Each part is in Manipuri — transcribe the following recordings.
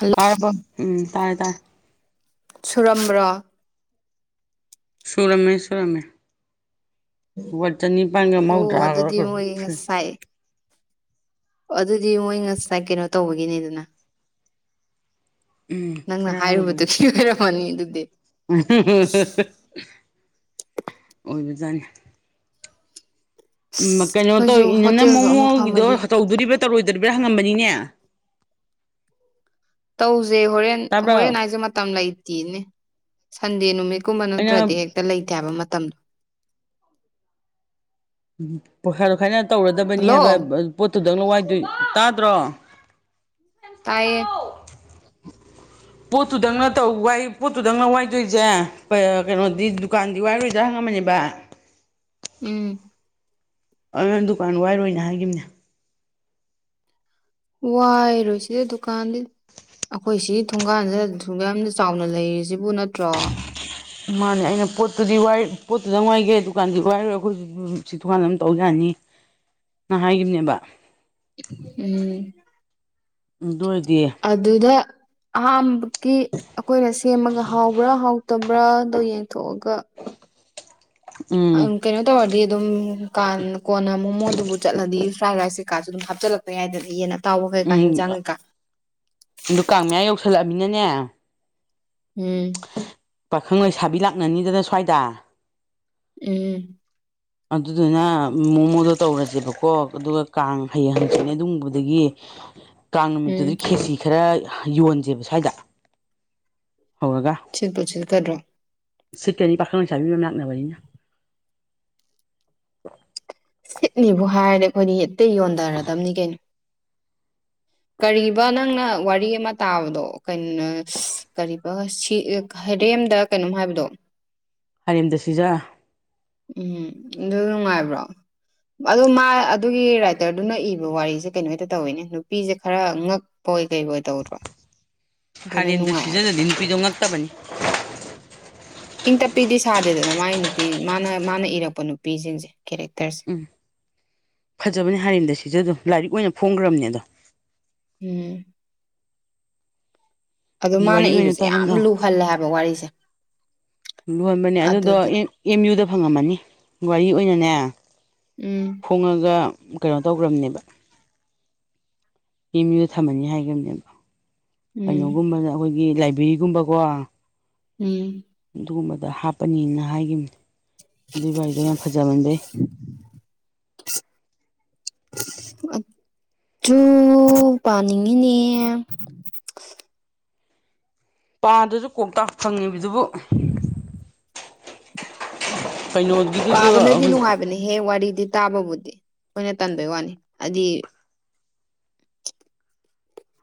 ꯍꯜꯂꯣ ꯇꯥꯔꯕꯣ ꯎꯝ ꯇꯥꯔꯦ ꯇꯥꯔꯦ ꯁꯨꯔꯝꯕ꯭ꯔꯣ ꯁꯨꯔꯝꯃꯦ ꯁꯨꯔꯝꯃꯦ ꯋꯥꯠ ꯆꯅꯤꯄꯥꯟꯒ ꯃꯧꯗ꯭ꯔꯥ ꯑꯣ [unintelligible] ꯑꯗꯨꯗꯤ ꯃꯣꯏ ꯑꯣ ꯑꯗꯨꯗꯤ ꯃꯣꯏ ꯉꯁꯥꯏ ꯀꯩꯅꯣ ꯇꯧꯕꯒꯤꯅꯦ ꯑꯗꯨꯅ ꯎꯝ ꯅꯪꯅ ꯈꯔ ꯍꯥꯏꯔꯨꯕꯒꯤ ꯍꯥꯏꯔꯨꯕꯗꯨꯒꯤ ꯑꯣꯏꯔꯝꯃꯅꯤ ꯑꯗꯨꯗꯤ [unintelligible] ꯑꯣꯏꯕꯖꯥꯠꯅꯤ ꯑꯁ ꯀꯩꯅꯣ ꯑꯩꯈꯣꯏꯁꯨ ꯇꯧꯏ ꯅꯪꯅ ꯍꯣꯇꯦꯜꯗꯣ ꯑꯃ ꯃꯑꯣꯡꯒꯤꯗꯣ ꯐꯝꯃꯗꯤ ꯇꯧꯗꯣꯔꯤꯕ꯭ꯔꯥ ꯇꯧꯔꯣꯏꯗꯣꯔꯤꯕ꯭ꯔꯥ ꯍꯪꯉꯝꯕꯅꯤꯅꯦ ꯇꯧꯁꯦ ꯍꯣꯔꯦꯟ ꯇꯥꯕ꯭ꯔꯣ ꯍꯣꯔꯦꯟ ꯍꯥꯏꯁꯦ ꯃꯇꯝ ꯂꯩꯇꯦꯅꯦ ꯁꯟꯗꯦ ꯅꯨꯃꯤꯠꯀꯨꯝꯕ ꯑꯩꯅ ꯅꯠꯇ꯭ꯔꯗꯤ ꯍꯦꯛꯇ ꯂꯩꯇꯦ ꯍꯥꯏꯕ ꯃꯇꯝ ꯎꯝ ꯄꯣꯈꯥ ꯈꯥꯏꯅꯔ ꯇꯧꯔꯗꯕꯅꯤ ꯍꯜꯂꯣ ꯍꯥꯏꯕ ꯄꯣꯠꯇꯨꯗꯪ ꯋꯥꯏꯗꯣꯏꯗꯨ ꯇꯥꯗ꯭ꯔꯣ ꯇꯥꯏꯌꯦ ꯄꯣꯠꯇꯨꯗꯪꯅ ꯄꯣꯠꯇꯨꯗꯪꯔ ꯋꯥꯏꯗꯣꯏꯁꯦ ꯀꯩꯅꯣꯗꯤ ꯗꯨꯀꯥꯟꯗꯤ ꯋꯥꯏꯔꯣꯏꯗ꯭ꯔꯥ ꯍꯪꯉꯝꯕꯅꯦꯕ ꯎꯝ ꯑꯗꯨꯅ ꯗꯨꯀꯥꯟ ꯋꯥꯏꯔꯣꯏꯅ ꯍꯥꯏꯒꯤꯝꯅꯤ ꯋꯥꯏꯔꯣꯏ ꯁꯤꯗ ꯗꯨꯀꯥꯟꯗꯤ ꯑꯩꯈꯣꯏ ꯁꯤ ꯊꯣꯡꯒꯥꯟꯁꯤꯗ ꯁꯨꯛ ꯌꯥꯝꯅ ꯆꯥꯎꯅ ꯂꯩꯔꯤꯁꯤꯕꯨ ꯅꯠꯇ꯭ꯔꯣ ꯃꯥꯅꯦ ꯑꯩꯅ ꯄꯣꯠꯇꯨꯗꯤ ꯄꯣꯠꯇꯨꯗꯪ ꯋꯥꯏꯒꯦ ꯗꯨꯀꯥꯟꯗꯨꯗꯤ ꯋꯥꯏꯔꯣꯏ ꯑꯩꯈꯣꯏꯁꯨ ꯊꯣꯡꯒꯥꯟꯁꯤꯗ ꯗꯨꯀꯥꯟꯗ ꯑꯗꯨꯝ ꯇꯧ ꯌꯥꯅꯤ ꯅ ꯍꯥꯏꯒꯤꯕꯅꯦꯕ ꯎꯝ ꯗꯣꯏꯗꯤ ꯑꯗꯨꯗ ꯑꯍꯥꯝꯕꯀꯤ ꯑꯩꯈꯣꯏꯅ ꯁꯦꯝꯃꯒ ꯍꯥꯎꯕ꯭ꯔꯥ ꯍꯥꯎꯇꯕ ꯕ꯭ꯔꯥꯗꯣ ꯌꯦꯡꯊꯣꯛꯑꯒ ꯎꯝ ꯀꯩꯅꯣ ꯇꯧꯔꯗꯤ ꯑꯗꯨꯝ ꯀꯥꯟ ꯀꯣꯟꯅ ꯃꯣꯃꯣꯗꯨꯕꯨ ꯆꯠꯂꯗꯤ ꯐ꯭ꯔꯥꯏ ꯔꯥꯏꯁ ꯀꯩꯀꯥꯁꯨ ꯗꯨꯝ ꯍꯥꯞꯆꯤꯜꯂꯛꯄ ꯌꯥꯏꯗꯅ ꯌꯦꯟꯅ ꯇꯥꯎꯕ ꯀꯩꯀꯥ ꯍꯤꯡꯖꯥꯡ ꯀꯩꯀꯥ ꯗꯨ ꯀꯥꯡ ꯃꯌꯥ ꯌꯧꯁꯜꯂꯛꯑꯃꯤꯅꯅꯦ ꯎꯝ ꯄꯥꯈꯪ ꯂꯩꯁꯥꯕꯤ ꯂꯥꯛꯅꯅꯤꯗꯅ ꯁ꯭ꯋꯥꯏꯗ ꯎꯝ ꯑꯗꯨꯗꯨꯅ ꯃꯣꯃꯣꯗꯣ ꯇꯧꯔꯁꯦꯕꯀꯣ ꯑꯗꯨꯒ ꯀꯥꯡ ꯍꯩꯌꯦꯡ ꯍꯪꯆꯤꯠꯅꯦ ꯗꯨꯒꯨꯝꯕꯗꯒꯤ [inaudible] ꯀꯥꯡ ꯅꯨꯃꯤꯠꯇꯨꯗꯤ ꯈꯦꯆꯤ ꯈꯔ ꯌꯣꯟꯖꯦꯕ ꯁ꯭ꯋꯥꯏꯗ ꯍꯧꯔꯒ ꯁꯤꯠꯄꯣ ꯁꯤꯠꯀꯗ꯭ꯔꯣ ꯁꯤꯠꯀꯅꯤ ꯄꯥꯈꯪ ꯂꯩꯁꯥꯥꯕꯤ ꯃꯌꯥꯝ ꯂꯥꯛꯅꯕꯅꯤꯅ ꯁꯤꯠꯅꯤꯕꯨ ꯍꯥꯏꯔꯗꯤ ꯑꯩꯈꯣꯏꯗꯤ ꯍꯦꯛꯇ ꯌꯣꯟꯗꯔꯗꯕꯅꯤ ꯀꯩꯅꯣ ꯀꯔꯤꯕ ꯅꯪꯅ ꯋꯥꯔꯤ ꯑꯃ ꯇꯥꯕꯗꯣ ꯀꯟ ꯅ ꯀꯔꯤꯕ ꯁꯤ ꯍꯥꯔꯦꯝꯗ ꯀꯩꯅꯣꯝ ꯍꯥꯏꯕꯗꯣ ꯍꯔꯦꯝꯗ ꯁꯤꯖꯥ ꯎꯝ ꯑꯗꯨ ꯅꯨꯡꯉꯥꯏꯕ꯭ꯔꯣ ꯑꯗꯣ ꯃꯥ ꯑꯗꯨꯒꯤ ꯔꯥꯏꯇꯔꯗꯨꯅ ꯏꯕ ꯋꯥꯔꯤꯁꯦ ꯀꯩꯅꯣꯗ ꯍꯦꯛꯇ ꯇꯧꯋꯤꯅꯦ ꯅꯨꯄꯤꯁꯦ ꯈꯔ ꯉꯛ ꯀꯣꯏ ꯀꯩ ꯑꯣꯏ ꯇꯧꯗ꯭ꯔꯣ ꯑꯗꯨꯅ ꯍꯥꯔꯦꯝꯗ ꯅꯨꯡꯉꯥꯏ ꯍꯥꯏꯕ ꯁꯤꯖꯥꯗꯗꯤ ꯅꯨꯄꯤꯗꯣ ꯉꯛꯇꯕꯅꯤ ꯏꯪ ꯇꯞꯄꯤꯗꯤ ꯁꯥꯗꯦꯗꯅ ꯃꯥꯒꯤ ꯅꯨꯄꯤ ꯃꯥꯅ ꯃꯥꯅ ꯏꯔꯛꯄ ꯅꯨꯄꯤꯖꯤꯡꯁꯦ ꯀꯦꯔꯦꯛꯇꯔꯁꯦ ꯎꯝ ꯐꯖꯕꯅꯦ ꯍꯥꯏꯔꯦꯝꯗ ꯁꯤꯖꯥ ꯗꯣ ꯂꯥꯏꯔꯤꯛ ꯑꯣꯏꯅ ꯐꯣꯡꯒ꯭ꯔꯕꯅꯦ ꯑꯗꯣ ꯎꯝ ꯑꯗꯣ ꯃꯥꯅ ꯋꯥꯔꯤ ꯑꯣꯏꯅ ꯏꯕꯁꯦ ꯌꯥꯝ ꯇꯥꯔꯝꯗ ꯂꯨꯍꯜꯂꯦ ꯍꯥꯏꯕ ꯋꯥꯔꯤꯁꯦ ꯌꯣꯟꯕꯅꯦ ꯑꯗꯨꯗꯣ ꯑꯗꯨꯗ ꯑꯦ ꯑꯦꯝꯌꯨꯗ ꯐꯪꯉꯝꯃꯅꯤ ꯋꯥꯔꯤ ꯑꯣꯏꯅꯅꯦ ꯎꯝ ꯐꯣꯡꯉ ꯒ ꯀꯩꯅꯣ ꯇꯧꯒ꯭ꯔꯕꯅꯦꯕ ꯑꯦꯝꯌꯨꯗ ꯊꯝꯃꯅꯤ ꯍꯥꯏꯒꯤꯕꯅꯦꯕ ꯎꯝ ꯀꯩꯅꯣꯒꯨꯝꯕꯅ ꯑꯩꯈꯣꯏꯒꯤ ꯂꯥꯏꯕ꯭ꯔꯦꯔꯤꯒꯨꯝꯕꯀꯣ ꯎꯝ ꯑꯗꯨꯒꯨꯝꯕꯗ ꯍꯥꯞꯄꯅꯤꯅ ꯍꯥꯏꯒꯤꯕꯅꯦ ꯑꯗꯨꯏ ꯋꯥꯔꯤꯗꯣ ꯌꯥꯝ ꯐꯖꯃꯟꯕꯩ [inaudible] ꯑꯗꯨꯨ ꯄꯥꯅꯤꯡꯉꯤꯅꯦ ꯄꯥꯗ꯭ꯔꯖꯨ ꯀꯣꯛꯇꯥꯎ ꯐꯪꯉꯤꯕꯗꯨꯕꯨ ꯀꯩꯅꯣ ꯄꯥꯕꯅꯗꯤ ꯅꯨꯡꯉꯥꯏꯕꯅꯦꯍꯦ ꯋꯥꯔꯤꯗꯤ ꯇꯥꯕꯕꯨꯗꯤ ꯈꯣꯏꯅ ꯇꯟꯕꯩ ꯋꯥꯅꯤ ꯍꯥꯏꯗꯤ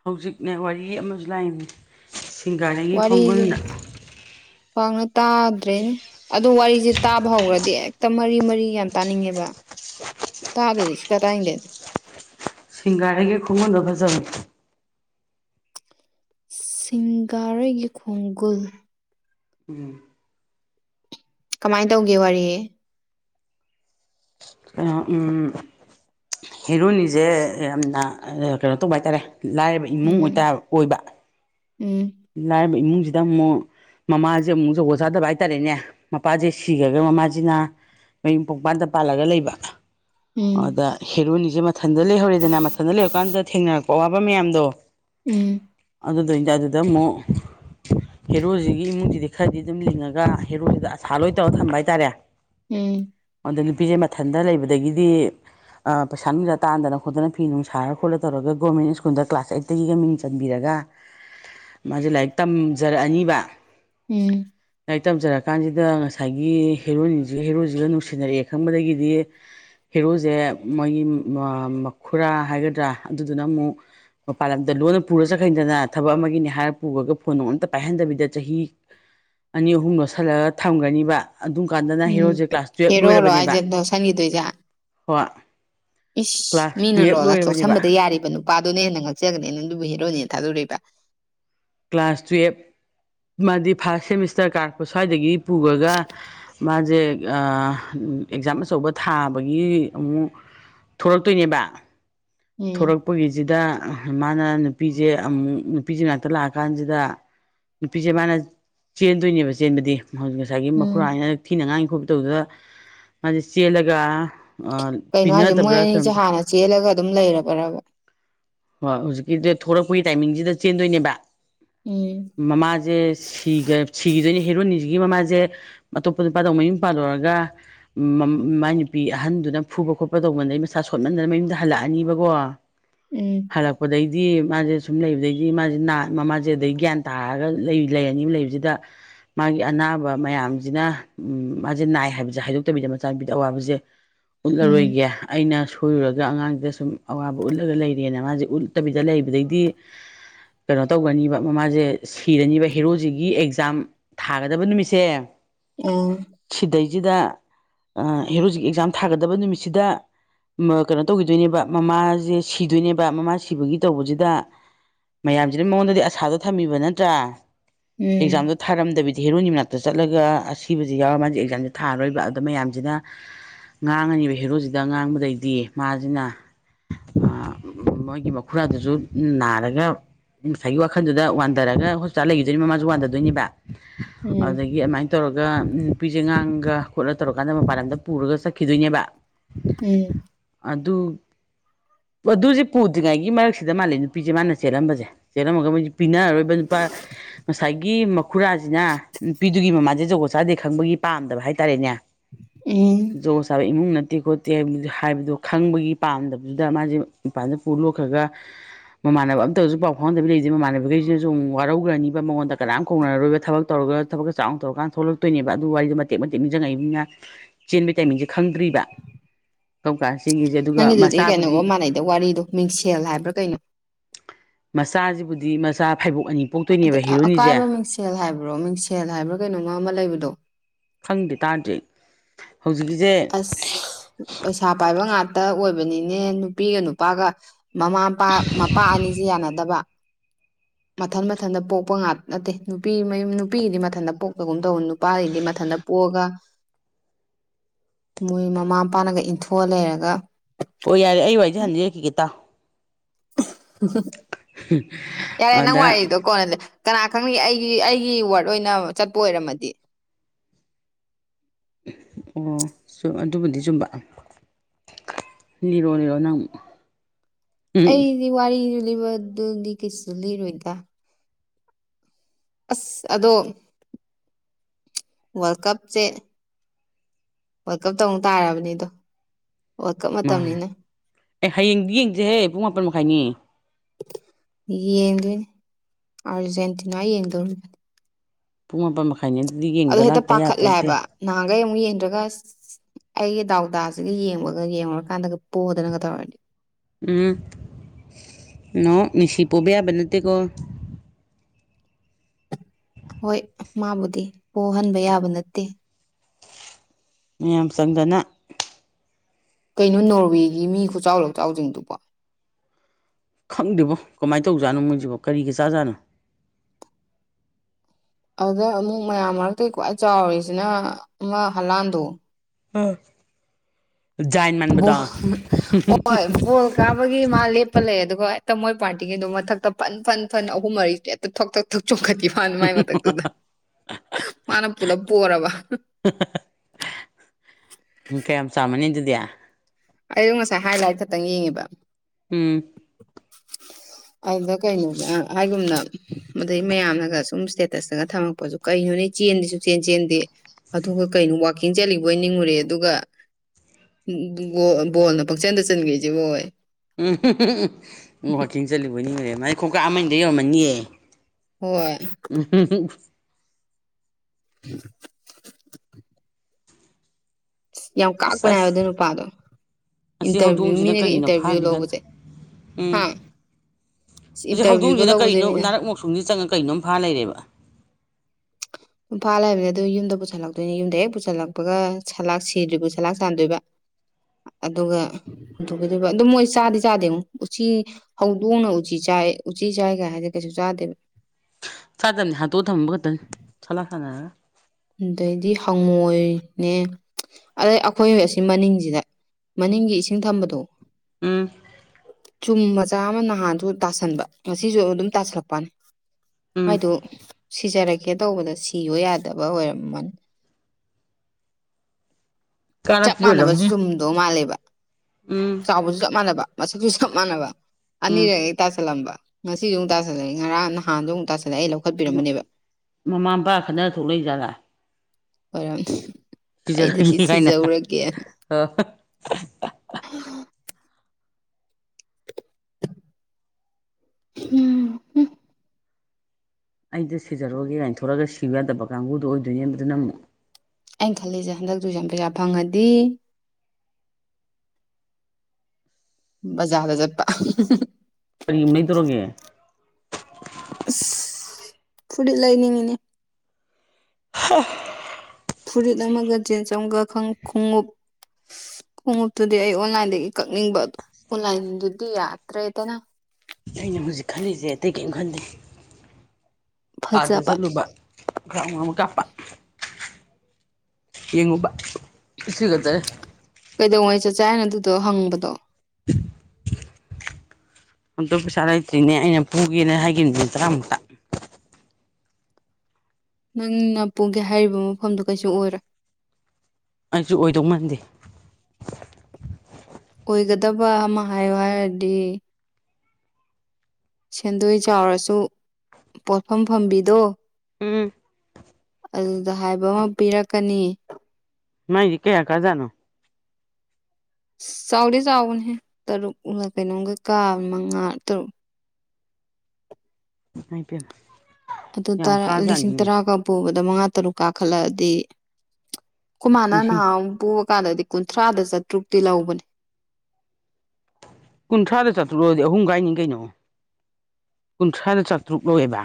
ꯍꯧꯖꯤꯛꯅꯦ ꯋꯥꯔꯤ ꯑꯃꯁꯨ ꯂꯥꯛꯏꯝꯅꯤ ꯋꯥꯔꯤꯖꯨ ꯄꯥꯛꯅ ꯇꯥꯗ꯭ꯔꯦꯅꯦ ꯑꯗꯣ ꯋꯥꯔꯤꯁꯦ ꯇꯥꯕ ꯍꯧꯒ꯭ꯔꯗꯤ ꯍꯦꯛꯇ ꯃꯔꯤ ꯃꯔꯤ ꯌꯥꯝ ꯇꯥꯅꯤꯡꯉꯦꯕ ꯇꯥꯗꯗꯤ ꯁꯨꯛꯇꯥ ꯇꯥꯅꯤꯡꯗꯦ ꯑꯩ ꯁꯤꯡꯒꯥꯔꯩꯒꯤ ꯈꯣꯡꯒꯨꯟꯗꯣ ꯐꯖꯕꯅꯦ ꯁꯤꯡꯒꯥꯔꯩꯒꯤ ꯈꯣꯡꯒꯨꯜ ꯎꯨꯝ ꯀꯃꯥꯏ ꯇꯧꯒꯦ ꯋꯥꯔꯤ꯫ ꯀꯩꯅꯣ ꯎꯝ ꯍꯦꯔꯣꯅꯤꯖꯦ ꯌꯥꯝꯅ ꯀꯩꯅꯣ ꯇꯧꯕ ꯍꯥꯏꯇꯥꯔꯦ ꯂꯥꯏꯔꯕ ꯏꯃꯨꯡ ꯎꯝ ꯑꯣꯏꯇꯕ ꯑꯣꯏꯕ꯫ ꯎꯝ꯫ ꯂꯥꯏꯔꯕ ꯏꯃꯨꯡꯖꯤꯗ ꯑꯃꯨꯛ ꯃꯃꯥꯖꯦ ꯑꯃꯨꯛ ꯖꯨꯒꯣꯠ ꯆꯥꯗꯕ ꯍꯥꯏꯇꯥꯔꯦꯅꯦ ꯃꯄꯥꯖꯦ ꯁꯤꯒ꯭ꯔꯒ ꯃꯃꯥꯖꯤꯅ ꯃꯌꯨꯝ ꯄꯪꯄꯥꯟꯗ ꯄꯥꯜꯂꯒ ꯂꯩꯕ ꯎꯝ ꯑꯗ ꯍꯦꯔꯣꯅꯤꯖꯦ ꯃꯊꯟꯗ ꯂꯩꯍꯧꯔꯦꯗꯅ ꯃꯊꯟꯗ ꯂꯩꯍꯧꯔꯀꯥꯟꯗ ꯊꯦꯡꯅꯔꯛꯄ ꯑꯋꯥꯕ ꯃꯌꯥꯝꯗꯣ꯫ ꯎꯝ꯫ ꯑꯗꯨꯗꯨꯏꯅꯤꯗ ꯑꯗꯨꯗ ꯑꯃꯨꯛ ꯍꯦꯔꯣꯖꯤꯒꯤ ꯏꯃꯨꯡꯖꯤꯗꯤ ꯈꯔꯗꯤ ꯑꯗꯨꯝ ꯂꯤꯡꯉꯒ ꯍꯦꯔꯣꯖꯤꯗ ꯑꯁꯥ ꯂꯣꯏ ꯇꯧꯔ ꯊꯝꯕ ꯍꯥꯏꯇꯥꯔꯦ꯫ ꯎꯝ꯫ ꯑꯗ ꯅꯨꯄꯤꯖꯦ ꯃꯊꯟꯗ ꯂꯩꯕꯗꯒꯤꯗꯤ ꯑ ꯄꯩꯁꯥ ꯅꯨꯡꯖꯥ ꯇꯥꯟꯗꯅ ꯈꯣꯠꯇꯅ ꯐꯤ ꯅꯨꯡ ꯁꯥꯔ ꯈꯣꯠꯂ ꯇꯧꯔꯒ ꯒꯣꯃꯦꯟ ꯁ꯭ꯀꯨꯜꯗ ꯀ꯭ꯂꯥꯁ ꯑꯥꯏꯠꯇꯒꯤꯒ ꯃꯤꯡ ꯆꯟꯕꯤꯔꯒ ꯃꯥꯖꯦ ꯂꯥꯏꯔꯤꯛ ꯇꯝꯖꯔꯛꯑꯅꯤꯕ꯫ ꯎꯝ꯫ ꯂꯥꯏꯔꯤꯛ ꯇꯝꯖꯔꯀꯥꯟꯖꯤꯗ ꯉꯁꯥꯏꯒꯤ ꯍꯦꯔꯣꯏꯟꯖꯤꯒ ꯍꯦꯔꯣꯖꯤꯒ ꯅꯨꯡꯁꯤꯅꯔꯛꯑꯦ ꯈꯪꯕꯗꯒꯤꯗꯤ ꯍꯦꯔꯣꯖꯦ ꯃꯣꯏꯒꯤ ꯑ ꯃꯈꯨꯔꯥ ꯍꯥꯏꯒꯗ꯭ꯔꯥ ꯑꯗꯨꯗꯨꯅ ꯑꯃꯨꯛ ꯃꯄꯥꯟ ꯂꯝꯗ ꯂꯣꯟꯅ ꯄꯨꯔ ꯆꯠꯈ꯭ꯔꯅꯤꯗꯅ꯫ ꯊꯕꯛ ꯑꯃꯒꯤꯅꯦ ꯍꯥꯏꯔ ꯄꯨꯒ꯭ꯔꯒ ꯐꯣꯟꯅꯨꯡ ꯑꯝꯇ ꯄꯥꯏꯍꯟꯗꯕꯤꯗ ꯆꯍꯤ ꯑꯅꯤ ꯑꯍꯨꯝ ꯂꯧꯠꯁꯤꯟꯒ꯭ꯔꯒ ꯊꯝꯒ꯭ꯔꯅꯤꯕ꯫ ꯑꯗꯨꯝꯀꯥꯟꯗꯅ ꯎꯝ ꯍꯦꯔꯣꯖꯦ ꯀ꯭ꯂꯥꯁ ꯇꯨꯌꯦꯞ ꯍꯦꯔꯣꯔꯣ ꯂꯣꯏꯔꯕꯅꯦꯕ ꯍꯥꯏꯁꯦ ꯂꯧꯁꯟꯈꯤꯗꯣꯏꯁꯦ ꯍꯣꯏ꯫ ꯏꯁ ꯀ꯭ꯂꯥꯁ ꯃꯤꯅ ꯇꯨꯌꯦꯜꯞ ꯂꯣꯂ ꯂꯣꯏꯔꯕꯅꯦꯕ ꯆꯣꯠꯁꯟꯕꯗ ꯌꯥꯔꯤꯕ ꯅꯨ ꯄꯥꯗꯨꯅ ꯍꯦꯟꯅ ꯉꯛꯆꯒꯔꯦꯅꯦ ꯑꯗꯨꯕꯨ ꯍꯤꯔꯣꯅꯦꯅ ꯊꯥꯗꯣꯔꯛꯏꯕ꯫ ꯀ꯭ꯂꯥꯁ ꯇꯨꯌꯦꯞ ꯃꯥꯗꯤ ꯐꯥꯁ ꯁꯦꯃꯤꯁꯇꯔ ꯀꯥꯔꯛꯄ ꯁ꯭ꯋꯥꯏꯗꯒꯤ ꯄꯨꯒ꯭ꯔꯒ ꯃꯥꯖꯦ ꯑ ꯑꯦꯛꯖꯥꯝ ꯑꯆꯧꯕ ꯊꯥꯕꯒꯤ ꯑꯃꯨꯛ ꯊꯣꯔꯛꯇꯣꯏꯅꯦꯕ꯫ ꯎꯝ ꯊꯣꯔꯛꯄꯒꯤꯖꯤꯗ ꯃꯥꯅ ꯅꯨꯄꯤꯖꯦ ꯑꯃꯨꯛ ꯅꯨꯄꯤꯖꯤ ꯃꯅꯥꯛꯇ ꯂꯥꯛꯑꯀꯥꯟꯖꯤꯗ ꯅꯨꯄꯤꯖꯦ ꯃꯥꯅ ꯆꯦꯟꯗꯣꯏꯅꯦꯕ ꯆꯦꯟꯕꯗꯤ꯫ [unintelligible] ꯉꯁꯥꯏꯒꯤ ꯎꯝ ꯃꯈꯨꯔꯥ ꯍꯣꯏꯅ ꯊꯤꯅ ꯉꯥꯒꯤ ꯈꯣꯠꯄ ꯇꯧꯕꯗꯨꯗ ꯃꯥꯗꯤ ꯆꯦꯜꯂꯒ ꯑ ꯀꯩꯅꯣ ꯍꯥꯏꯖꯦ ꯃꯣꯏ ꯑꯅꯤꯖꯦ ꯍꯥꯟꯅ ꯆꯦꯜꯂꯒ ꯑꯗꯨꯝ ꯂꯩꯔꯕꯔꯕ꯫ ꯍꯣꯏ ꯍꯧꯖꯤꯛꯀꯤꯗꯦꯠ ꯊꯣꯔꯛꯄꯒꯤ ꯇꯥꯏꯃꯤꯡꯖꯤꯗ ꯆꯦꯟꯗꯣꯏꯅꯦꯕ꯫ ꯎꯝ ꯃꯃꯥꯖꯦ ꯁꯤꯒ ꯁꯤꯒꯤꯗꯣꯏꯅꯤ ꯍꯦꯔꯣꯅꯤ ꯒꯤ ꯃꯃꯥꯖꯦ ꯑꯇꯣꯞꯄ ꯅꯨꯄꯥꯗ ꯑꯃꯨꯛ ꯃꯌꯨꯝ ꯄꯥꯜꯂꯨꯔꯒ ꯃꯥꯝ ꯃꯥꯏ ꯅꯨꯄꯤ ꯑꯍꯟꯗꯨꯅ ꯐꯨꯕ ꯈꯣꯠꯄ ꯇꯧꯕꯗꯩ ꯃꯁꯥ ꯁꯣꯟꯃꯟꯗꯅ ꯃꯌꯨꯝꯗ ꯍꯜꯂꯛꯑꯅꯤꯕꯀꯣ꯫ ꯎꯝ꯫ ꯍꯜꯂꯛꯄꯗꯩꯗꯤ ꯃꯥꯖꯦ ꯁꯨꯝ ꯂꯩꯕꯗꯩꯗꯤ ꯃꯥꯖꯤ ꯅꯥ ꯃꯥꯖꯤ ꯑꯗꯩ ꯒ꯭ꯌꯥꯟ ꯇꯥꯔꯒ ꯂꯩꯔꯅꯤ ꯂꯩ ꯖꯤꯗ ꯃꯥꯒꯤ ꯑꯅꯥꯕ ꯃꯌꯥꯝꯖꯤꯅ ꯃꯥꯖꯦ ꯅꯥꯏ ꯍꯥꯏꯕꯖꯦ ꯍꯥꯏꯗꯣꯛꯇꯕꯤꯗ ꯃꯆꯥꯅꯨꯄꯤꯗ ꯑꯋꯥꯕꯤꯖꯦ [inaudible] ꯎꯠꯂꯔꯣꯏꯒꯦ ꯑꯩꯅ ꯁꯣꯏꯔꯨꯔꯒ ꯑꯉꯥꯡꯖꯤꯗ ꯁꯨꯝ ꯑꯋꯥꯕ ꯎꯠꯂꯒ ꯂꯩ [unintelligible] ꯅ ꯃꯥꯖꯦ ꯎꯠꯇꯕꯤꯗ ꯂꯩꯕꯗꯩꯗꯤ ꯀꯩꯅꯣ ꯇꯧꯒ꯭ꯔꯅꯤꯕ ꯃꯃꯥꯖꯦ ꯁꯤꯔꯅꯤꯕ ꯍꯦꯔꯣꯖꯤꯒꯤ ꯑꯦꯛꯖꯥꯝ ꯊꯥꯒꯗꯕ ꯅꯨꯃꯤꯠꯁꯦ꯫ ꯑꯥ꯫ ꯁꯤꯗꯩꯖꯤꯗ ꯍꯦꯔꯣꯖꯤ ꯑꯦꯛꯖꯥꯝ ꯊꯥꯒꯗꯕ ꯅꯨꯃꯤꯠꯁꯤꯗ ꯀꯩꯅꯣ ꯇꯧꯈꯤꯗꯣꯏꯅꯦꯕ ꯃꯃꯥꯖꯦ ꯁꯤ ꯁꯤꯗꯣꯏꯅꯦꯕ ꯃꯃꯥ ꯁꯤꯕꯒꯤ ꯇꯧꯕꯁꯤꯗ ꯃꯌꯥꯝꯁꯤꯅ ꯃꯉꯣꯟꯗꯗꯤ ꯑꯁꯥꯗ ꯊꯝꯃꯤꯕ ꯅꯠꯇ꯭ꯔꯥ ꯎꯝ ꯑꯦꯛꯖꯥꯝꯗꯣ ꯊꯥꯔꯝꯗꯕꯤꯗꯤ ꯍꯦꯔꯣꯟꯅꯤ ꯃꯅꯥꯛꯇ ꯆꯠꯂꯒ ꯑꯁꯤꯕꯁꯤ ꯌꯥꯎꯔꯒ ꯃꯥꯁꯦ ꯑꯦꯛꯖꯥꯝꯁꯦ ꯊꯥꯔꯔꯣꯏꯕ ꯑꯗ ꯃꯌꯥꯝꯁꯤꯅ ꯉꯥꯡꯉꯅꯤꯕ ꯍꯦꯔꯣꯁꯤꯗ ꯉꯥꯡꯕꯗꯩꯗꯤ ꯃꯥꯁꯤꯅ ꯃꯣꯏꯒꯤ ꯃꯈꯨꯔꯥꯗꯨꯁꯨ ꯅꯥꯔꯒ ꯉꯁꯥꯏꯒꯤ ꯋꯥꯈꯜꯗꯨꯗ ꯋꯥꯟꯊꯔꯒ ꯍꯣꯁꯄꯤꯇꯥꯜ ꯂꯩꯈꯤꯗꯣꯏꯅꯤ ꯃꯃꯥꯁꯨ ꯋꯥꯟꯊꯗꯣꯏꯅꯦꯕ ꯎꯝ ꯑꯗꯨꯗꯒꯤ ꯑꯗꯨꯃꯥꯏ ꯇꯧꯔꯒ ꯅꯨꯄꯤꯁꯦ ꯉꯥꯡꯉ ꯈꯣꯠꯂ ꯇꯧꯔꯀꯥꯟꯗ ꯃꯄꯥꯟ ꯂꯝꯗ ꯄꯨꯔꯒ ꯆꯠꯈꯤꯗꯣꯏꯅꯦꯕ ꯎꯝ ꯑꯗꯨ ꯑꯗꯨꯗꯤ ꯄꯨꯗ꯭ꯔꯤꯉꯩꯒꯤ ꯃꯔꯛꯁꯤꯗ ꯃꯥꯜꯂꯦ ꯅꯨꯄꯤꯁꯦ ꯃꯥꯅ ꯆꯦꯜꯂꯝꯝꯕꯁꯦ ꯆꯦꯜꯂꯝꯃꯒ ꯃꯣꯏꯁꯦ ꯄꯤꯅꯔꯔꯣꯏꯕ ꯅꯨꯄꯥ ꯉꯁꯥꯏꯒꯤ ꯃꯈꯨꯔꯥꯁꯤꯅ ꯅꯨꯄꯤꯗꯨꯒꯤ ꯃꯃꯥꯥꯁꯦ ꯖꯒꯣꯠ ꯆꯥꯗꯦ ꯈꯪꯕꯒꯤ ꯄꯥꯝꯗꯕ ꯍꯥꯏꯇꯥꯔꯦꯅꯦ ꯎꯝ ꯖꯣꯒꯣꯠ ꯆꯥꯕ ꯏꯃꯨꯡ ꯅꯠꯇꯦ ꯈꯣꯠꯇꯦ ꯍꯥꯏꯕ ꯍꯥꯏꯕꯗꯣ ꯈꯪꯕꯒꯤ ꯄꯥꯝꯗꯕꯗꯨꯗ ꯃꯥꯁꯦ ꯏꯄꯥꯥꯟꯗ ꯄꯨꯔ ꯂꯣꯛꯈ꯭ꯔꯒ ꯃꯃꯥꯟꯅꯕ ꯑꯝꯇꯁꯨ ꯄꯥꯎ ꯐꯥꯎꯍꯗꯕꯤ ꯂꯩꯗꯦ ꯃꯃꯥꯟꯅꯕꯈꯩꯁꯤꯅꯁꯨꯨꯝ ꯋꯥꯔꯧꯈ꯭ꯔꯅꯤꯕ ꯃꯉꯣꯟꯗ ꯀꯅꯥꯝ ꯀꯧꯅꯔꯣꯏꯕ ꯊꯕꯛ ꯇꯧꯔꯒ ꯊꯕꯛꯀ ꯆꯥꯎꯅ ꯇꯧꯔꯀꯥꯟꯗ ꯊꯣꯛꯂꯛꯇꯣꯏꯅꯦꯕ ꯑꯗꯨ ꯋꯥꯔꯤꯗꯣ ꯃꯇꯦꯛ ꯃꯇꯦꯛ ꯅꯤꯡꯁꯤꯡꯉꯛꯏꯅꯤꯅ ꯆꯦꯟꯕꯒꯤ ꯇꯥꯏꯃꯤꯡꯁꯦ ꯈꯪꯗ꯭ꯔꯤꯕ ꯀꯧꯀꯥꯟ ꯆꯦꯟꯒꯤꯁꯦ ꯑꯗꯨꯒ ꯅꯪꯒꯤꯗꯨꯗꯤ ꯃꯆꯥꯕꯨꯗꯤ ꯀꯩꯅꯣꯒ ꯃꯥꯟꯅꯩꯗ ꯋꯥꯔꯤꯗꯣ ꯃꯤꯡꯁꯦꯜ ꯍꯥꯏꯕ꯭ꯔꯥ ꯀꯩꯅꯣ ꯃꯆꯥꯁꯤꯕꯨꯗꯤ ꯃꯆꯥ ꯐꯩꯕꯣꯛ ꯑꯅꯤ ꯄꯣꯛꯇꯣꯏꯅꯦꯕ ꯍꯤꯔꯣꯅꯤꯁꯦ ꯁꯦꯜ ꯍꯥꯏꯕ꯭ꯔꯣ ꯃꯤꯡꯁꯦꯜ ꯍꯥꯏꯕ꯭ꯔꯥ ꯀꯩꯅꯣꯝꯃ ꯑꯃ ꯂꯩꯕꯗꯣ ꯈꯪꯗꯦ ꯇꯥꯔꯗꯔꯤ ꯑꯩ ꯍꯧꯖꯤꯛꯀꯤꯁꯦ ꯑꯁ ꯄꯩꯁꯥ ꯄꯥꯏꯕ ꯉꯥꯛꯇ ꯑꯣꯏꯕꯅꯤꯅꯦ ꯅꯨꯄꯤꯒ ꯅꯨꯄꯥꯒ ꯃꯃꯥ ꯃꯄꯥ ꯃꯄꯥ ꯑꯅꯤꯁꯦ ꯌꯥꯅꯗꯕ ꯃꯊꯟ ꯃꯊꯟꯇ ꯄꯣꯛꯄ ꯉꯥꯛ ꯅꯠꯇꯦ ꯅꯨꯄꯤ ꯃꯌꯨꯝ ꯅꯨꯄꯤꯒꯤꯗꯤ ꯃꯊꯟꯇ ꯄꯣꯛꯇꯒꯨꯝ ꯇꯧꯕ ꯅꯨꯄꯥꯒꯤꯗꯤ ꯃꯊꯟꯇ ꯄꯣꯛꯑꯒ ꯃꯣꯏ ꯃꯃꯥ ꯃꯄꯥꯅꯒ ꯏꯟꯊꯣꯛꯑ ꯂꯩꯔꯒ ꯑꯣ ꯌꯥꯔꯦ ꯑꯩ ꯋꯥꯔꯤꯖꯦ ꯍꯥꯟꯅ ꯂꯤꯔꯛꯈꯤꯒꯦ ꯇꯥꯎ ꯌꯥꯔꯦ ꯅꯪ ꯑꯗ ꯋꯥꯗꯣ ꯀꯣꯟꯅꯅꯦ ꯀꯅꯥ ꯈꯪꯅꯒꯦ ꯑꯩꯒꯤ ꯑꯩꯒꯤ ꯋꯥꯔꯗ ꯑꯣꯏꯅ ꯆꯠꯄ ꯑꯣꯏꯔꯝꯃꯗꯤ ꯑꯣ ꯆꯨꯝ ꯑꯗꯨꯕꯨꯗꯤ ꯆꯨꯝꯕ ꯂꯤꯔꯣ ꯂꯤꯔꯣ ꯅꯪ ꯎꯝ ꯑꯩꯗꯤ ꯋꯥꯔꯤꯗꯨ ꯂꯤꯕꯗꯨꯗꯤ ꯀꯩꯁꯨ ꯂꯤꯔꯣꯏꯗ ꯑꯁ ꯑꯗꯣ ꯋꯥꯔꯜ ꯀꯞꯁꯦ ꯋꯥꯠꯀꯞ ꯇꯃꯨꯛ ꯇꯥꯔꯕꯅꯤꯗꯣ ꯋꯥꯠꯀꯞ ꯃꯥ ꯃꯇꯝꯅꯤꯅ ꯑꯦ ꯍꯌꯦꯡꯗꯤ ꯌꯦꯡꯖꯦꯍꯦ ꯄꯨꯡ ꯃꯥꯄꯟ ꯃꯈꯥꯏꯅꯤ ꯌꯦꯡꯗꯣꯏꯅꯦ ꯑꯥꯔꯖꯦꯟꯇꯤꯅꯥ ꯌꯦꯡꯗꯣꯏꯅꯤ ꯄꯨꯡ ꯃꯥꯄꯟ ꯃꯈꯥꯏꯅꯤꯗꯤ ꯌꯦꯡꯗ ꯂꯥꯛꯇ ꯌꯥꯄꯣꯟꯇꯦ ꯅꯥꯍꯥꯟꯒꯩ ꯑꯃꯨꯛ ꯌꯦꯟꯗ꯭ꯔꯒ ꯑꯩꯒꯤ ꯗꯥꯎꯗꯥꯁꯤꯒ ꯌꯦꯡꯕꯒ ꯌꯦꯡꯉꯨꯔꯀꯥꯟꯗꯒ ꯄꯣꯗꯅꯒ ꯇꯧꯔꯅꯤ ꯎꯝ ꯅꯣ ꯅꯨꯡꯁꯤ ꯄꯣꯕ ꯌꯥꯕ ꯅꯠꯇꯦꯀꯣ ꯍꯣꯏ ꯃꯥꯕꯨꯗꯤ ꯄꯣꯍꯟꯕ ꯌꯥꯕ ꯅꯠꯇꯦ ꯃꯌꯥꯝ ꯆꯪꯗꯅ ꯀꯩꯅꯣ ꯅꯣꯔꯋꯦꯒꯤ ꯃꯤ ꯈꯨꯆꯥꯎ ꯂꯛꯆꯥꯎꯁꯤꯡꯗꯨꯕꯣ ꯈꯪꯗꯦꯕꯣ ꯀꯃꯥꯏ‌ ꯇꯧ ꯖꯥꯠꯅꯣ ꯃꯣꯏꯁꯤꯕꯣ ꯀꯔꯤꯒ ꯆꯥꯖꯥꯅꯣ ꯑꯗꯨꯗ ꯑꯃꯨꯛ ꯃꯌꯥꯝ ꯃꯔꯛꯇꯒꯤ ꯈ꯭ꯋꯥꯏ ꯆꯥꯎꯔꯤꯁꯤꯅ ꯑꯃ ꯍꯂꯥꯟꯗꯣ ꯎꯝ ꯖꯥꯏꯟ ꯕꯣꯜ ꯃꯥꯟꯕꯗ‌ꯣ ꯒꯤ ꯃꯥ ꯂꯦꯞꯄ ꯂꯩꯌꯦ ꯑꯗꯨꯒ ꯍꯦꯛꯇ ꯃꯣꯏ ꯄꯥꯔꯇꯤꯒꯩꯗꯣ ꯃꯊꯛꯇ ꯐꯟ ꯐꯟ ꯐꯟ ꯑꯍꯨꯝ ꯃꯔꯤ ꯍꯦꯛꯇ ꯊꯛ ꯊꯛ ꯊꯛ ꯆꯣꯡꯈꯠꯈꯤꯕ ꯍꯅꯤ ꯃꯥꯏ ꯃꯊꯛꯇꯨꯗ ꯃꯥꯅ ꯄꯨꯂꯞ ꯄ‌ꯣꯔꯕ ꯀꯌꯥꯝ ꯆꯥꯎꯔꯝꯃꯅꯤ ꯑꯗꯨꯗꯤ ꯑꯩꯗꯣ ꯉꯁꯥꯏ ꯍꯥꯏꯂꯥꯏꯠ ꯈꯛꯇꯪ ꯌꯦꯡꯉꯦꯕ ꯎꯝ ꯑꯗꯨꯗ ꯀꯩꯅꯣꯅ ꯍꯥꯏꯒꯨꯝꯅ ꯃꯗꯩ ꯃꯌꯥꯝꯅꯒ ꯁꯨꯝ ꯏꯁꯇꯦꯇꯁꯇꯒ ꯊꯝꯃꯛꯄꯁꯨ ꯀꯩꯅꯣꯅꯤ ꯆꯦꯟꯗꯤꯁꯨ ꯆꯦꯟ ꯆꯦꯟꯗꯦ ꯑꯗꯨꯒ ꯀꯩꯅꯣ ꯋꯥꯛꯀꯤꯡ ꯆꯠꯂꯤꯕ‌ꯣꯏ ꯅꯤꯡꯉꯨꯔꯦ ꯑꯗꯨꯒ ꯕꯣꯜ ꯕꯣꯜꯅ ꯄꯛꯆꯟꯗ ꯆꯟꯒꯔꯤꯁꯤꯕꯣꯏꯌ‌ꯦ ꯋꯥꯛꯀꯤꯡ ꯆꯠꯂꯤꯕ‌ꯣꯏ ꯅꯤꯡꯉꯨꯔ‌ꯦ ꯃꯥꯥꯏ ꯈꯣꯡꯀꯥꯝ ꯑꯃꯅꯤꯗ ꯌꯧꯔꯝꯃꯅꯤꯌꯦ ꯍꯣꯏ [unintelligible] [unintelligible] ꯌꯥꯝ ꯑꯁ ꯀꯥꯛꯄꯅꯦ ꯍꯥꯏꯕ ꯑꯗꯨ ꯑꯁ ꯅꯨꯄꯥꯗꯣ ꯑꯁꯤ ꯏꯟꯇꯔꯚꯤꯌꯨ ꯍꯧꯗꯣꯡꯁꯤꯅ ꯃꯤꯅꯒ ꯀꯔꯤꯅꯣ ꯏꯟꯇꯔꯚꯤꯌꯨ ꯐꯥꯗ꯭ꯔꯤ ꯀꯥꯟꯅ ꯂꯧꯕꯁꯦ ꯎꯝ ꯍꯥꯥꯡ ꯏꯁ ꯏꯟꯇꯔꯚꯤꯌꯨꯒ ꯂꯧꯕꯁꯦ ꯃꯤꯅ ꯊꯨꯟꯗꯩ ꯆꯪꯉꯒ ꯀꯩꯅꯣꯝ ꯐꯥ ꯂꯩꯔꯦꯕ [inaudible] ꯐꯥ ꯂꯩꯕꯅꯦ ꯑꯗꯨ ꯌꯨꯝꯗ ꯄꯨꯁꯤꯜꯂꯛꯇ‌ꯣꯏꯅꯤ ꯌꯨꯝꯗ ꯍ‌ꯦꯛꯄꯨꯁꯤꯜꯂꯛꯄꯒ ꯁꯂꯥꯛ ꯁꯤꯗꯔꯤꯕꯨ ꯁꯂꯥꯛꯁꯥꯟꯗ‌ꯣꯏꯕ ꯑꯗꯨꯒ ꯍꯨꯟꯇ‌ꯣꯛꯈꯤꯗ‌ꯣꯏꯕ ꯑꯗꯨꯝ ꯃꯣꯏ ꯆꯥꯗꯤ ꯆꯥꯗꯦꯉ‌ꯣ ꯎꯆꯤ ꯍꯧꯗꯣꯡꯅ ꯎꯆꯤ ꯆꯥꯏ ꯎꯆꯤ ꯆꯥꯏꯒꯥꯏ ꯍꯥꯏꯁꯦ ꯀꯩꯁꯨ ꯆꯥꯗꯦꯕ ꯆꯥꯗꯝꯅꯦ ꯍꯥꯠꯇ‌ꯣꯛꯑ ꯊꯝꯃꯝꯕ ꯈꯛꯇꯅꯤ ꯁꯂꯥꯛ ꯁꯥꯟꯅꯔꯒ ꯑꯗꯩꯗꯤ ꯍꯪꯉꯣꯏꯅꯦ ꯑꯗꯩ ꯑꯩꯈꯣꯏ ꯑꯁꯤ ꯃꯅꯤꯡꯁꯤꯗ ꯃꯅꯤꯡꯒꯤ ꯏꯁꯤꯡ ꯊꯝꯕꯗꯣ ꯎꯝ ꯆꯨꯝ ꯃꯆꯥ ꯑꯃ ꯅꯍꯥꯟꯁꯨ ꯇꯥꯁꯟꯕ ꯉꯁꯤꯁꯨ ꯑꯗꯨꯝ ꯇꯥꯁꯜꯂꯛꯄꯥꯏꯅꯤ ꯎꯝ ꯃꯥꯏꯗꯨ ꯁꯤꯖꯔꯒ‌ꯦ ꯇꯧꯕꯗ ꯁꯤꯌꯣ ꯌꯥꯗꯕ ꯑꯣꯏꯔꯝꯃꯅꯤ ꯆꯞ ꯀꯥꯔꯛꯄ ꯃꯥꯟꯅꯕ ꯑꯣꯏꯔꯝꯅꯤ ꯆꯨꯝꯗ‌ꯣ ꯃꯥꯜꯂꯦꯕ ꯎꯝ ꯆꯥꯎꯕꯁꯨ ꯆꯞ ꯃꯥꯟꯅꯕ ꯃꯁꯛꯁꯨ ꯆꯞ ꯃꯥꯟꯅꯕ ꯎꯝ ꯑꯅꯤꯔꯩ ꯇꯥꯁꯜꯂꯝꯕ ꯉꯁꯤꯁꯨ ꯑꯃꯨꯛ ꯇꯁꯤꯜꯂꯛꯏ ꯉꯔꯥꯡ ꯅꯍꯥꯟꯖꯨ ꯑꯃꯨꯛ ꯇꯁꯤꯜꯂꯛꯏ ꯑꯩ ꯂꯧ ꯃꯃꯥ ꯃꯄꯥꯒ ꯈꯠꯅꯒ ꯊꯣꯛꯂꯛꯏꯖꯥꯠꯂꯥ ꯑꯣꯏꯔꯝ ꯑꯩꯗꯗꯤ ꯁꯤꯖꯔꯒꯦ ꯀꯥꯏꯅ ꯁꯤꯖꯧꯔꯒꯦꯅ [unintelligible] [unintelligible] ꯎꯝ ꯑꯩꯗ ꯁꯤꯖꯧꯔꯨꯔꯒꯦ ꯒꯥꯏꯅꯊ‌ꯣꯔ‌ꯑꯒ ꯁꯤꯌꯨ ꯌꯥꯗꯕ ꯀꯥꯡꯕꯨꯗ‌ꯣ ꯑꯣꯏꯗꯣꯏꯅꯦꯕꯗꯨꯅ ꯑꯃꯨꯛ ꯑꯩꯅ ꯈꯜꯂꯤꯁꯦ ꯍꯟꯗꯛ ꯇꯨꯁꯟ ꯄꯩꯁꯥ ꯐꯪꯉꯗꯤ ꯕꯖꯥꯔꯗ ꯆꯠꯄ ꯀꯔꯤ ꯑꯃꯨꯛ ꯂꯩꯗꯣꯔꯒꯦ ꯑꯁ ꯐꯨꯔꯤꯠ ꯂꯩꯅꯤꯡꯉꯤꯅꯦ ꯍꯥ ꯐꯨꯔꯤꯠ ꯑꯃꯒ ꯖꯤꯟꯁ ꯑꯃꯒ [inaudible] ꯈ‌ꯣꯡꯎꯞ ꯈꯣꯡꯎꯞꯇꯨꯗꯤ ꯑꯩ ꯑꯣꯟꯂꯥꯏꯟꯗꯒꯤ ꯀꯛꯅꯤꯡꯕ ꯑꯗꯨ ꯑꯣꯟꯂꯥꯏꯟꯗꯨꯗꯤ ꯌꯥꯗ꯭ꯔꯦꯗꯅ ꯑꯩꯅ ꯍꯧꯖꯤꯛ ꯈꯜꯂꯤꯁꯦ ꯑꯇꯩ ꯀꯔꯤꯝ ꯈꯟꯗꯦ ꯑꯥꯗ ꯐꯖꯕ ꯆꯠꯂꯨꯕ [inaudible] ꯒꯔꯥꯎ ꯑꯃ ꯀꯥꯞꯄꯥ ꯌꯦꯉꯨꯕ ꯉꯁꯤꯒꯠꯇꯍꯦ ꯀꯩꯗꯧꯉꯩ ꯆꯠꯆꯦ ꯍꯥꯏꯅꯣ ꯑꯗꯨꯗꯣ ꯍꯪꯕꯗꯣ ꯑꯝꯇ ꯄꯩꯁꯥ ꯂꯩꯇ꯭ꯔꯤꯅꯦ ꯑꯩꯅ ꯄꯨꯒꯦꯅ ꯍꯥꯏꯈꯤꯕꯅꯤꯅꯦ ꯇꯔꯥꯃꯨꯛꯇ ꯅꯪꯅ ꯄꯨꯒꯦ ꯍꯥꯏꯔꯤꯕ ꯃꯐꯝꯗꯨ ꯀꯩꯁꯨ ꯑꯣꯏꯔꯣꯏ ꯑꯩꯁꯨ ꯑꯣꯏꯗꯧ ꯃꯥꯟꯗꯦ ꯑꯣꯏꯒꯗꯕ ꯑꯃ ꯍꯥꯏꯌꯣ ꯍꯥꯏꯔꯗꯤ ꯁꯦꯟꯗꯣꯏ ꯆꯥꯎꯔꯁꯨ ꯄꯣꯠꯐꯝ ꯐꯝꯕꯤꯗꯣ ꯎꯝ ꯑꯗꯨꯗ ꯍꯥꯏꯕ ꯑꯃ ꯄꯤꯔꯛꯀꯅꯤ ꯃꯥꯥꯏꯗꯤ ꯀꯩꯌꯥ ꯀꯥꯖꯥꯠꯅꯣ ꯆꯥꯎꯗꯤ ꯆꯥꯎꯕꯅꯦꯍ ꯇꯔꯨꯛꯒ ꯀꯩꯅꯣꯝꯒ ꯀꯥ ꯃꯉꯥ ꯇꯔꯨꯛ ꯏꯃꯥꯏ ꯄꯦꯝꯃ ꯌꯥꯝ ꯑꯗꯨꯇꯔꯦ ꯂꯤꯁꯤꯡ ꯀꯥꯖꯥꯠꯅꯤꯅꯦ ꯇꯔꯥꯒ ꯄꯨꯕꯗ ꯃꯉꯥ ꯇꯔꯨꯛ ꯀꯥꯈꯠꯂꯛꯑꯗꯤ ꯈꯨꯃꯥꯅ ꯂꯤꯁꯤꯡ ꯅꯍꯥ ꯄꯨꯛ ꯀꯥꯟꯗꯗꯤ ꯀꯨꯟꯊ꯭ꯔꯥꯗ ꯆꯥꯇ꯭ꯔꯨꯛꯇꯤ ꯂꯧꯕꯅꯦ ꯀꯨꯟꯊ꯭ꯔꯥꯗ ꯆꯠꯇ꯭ꯔꯨꯔꯗꯤ ꯑꯍꯨꯝ ꯀꯥꯏꯅꯤ ꯀꯩꯅꯣ ꯀꯨꯟꯊ꯭ꯔꯥꯗ ꯆꯥꯇ꯭ꯔꯨꯛ ꯂꯧꯑꯦꯕ